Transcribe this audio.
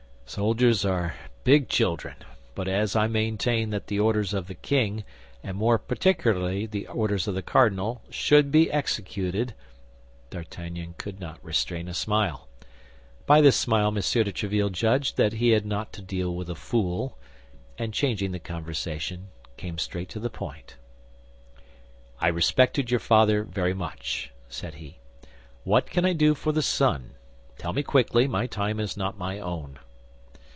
Soldiers are big children; but as I maintain that the orders of the king, and more particularly the orders of the cardinal, should be executed—" D'Artagnan could not restrain a smile. By this smile M. de Tréville judged that he had not to deal with a fool, and changing the conversation, came straight to the point. "I respected your father very much," said he. "What can I do for the son? Tell me quickly; my time is not my own."